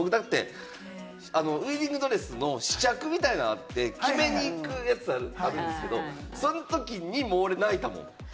僕だって、ウエディングドレスの試着みたいなんあって、決めに行くやつあるんですけど、その時にも俺、泣いたもん。